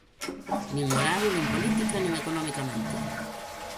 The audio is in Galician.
Nin moral, nin política nin economicamente.